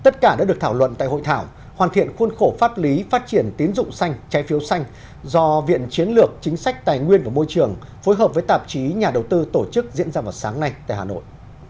tất cả đã được thảo luận tại hội thảo hoàn thiện khuôn khổ pháp lý phát triển tiến dụng xanh trái phiếu xanh do viện chiến lược chính sách tài nguyên và môi trường phối hợp với tạp chí nhà đầu tư tổ chức diễn ra vào sáng nay tại hà nội